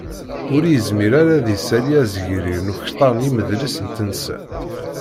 Ur yezmir ara ad d-isali azegrir n ukter n imedlis n tensa.